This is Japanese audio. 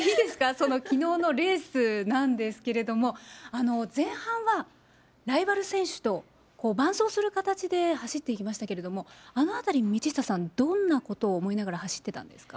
そのきのうのレースなんですけれども、前半はライバル選手と伴走する形で走っていきましたけれども、あのあたり、道下さん、どんなことを思いながら走ってたんですか。